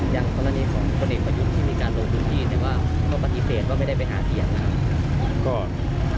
อย่างภรรณีของคนอื่นประยุทธ์ที่มีการโดนพื้นที่เนี่ยว่าต้องปฏิเสธว่าไม่ได้ไปหาเปลี่ยนนะครับ